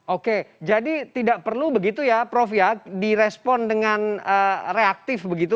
oke jadi tidak perlu begitu ya prof ya direspon dengan reaktif begitu